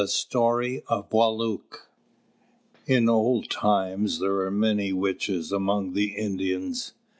STORY OF WĀLŪT In old times there were many witches among the Indians.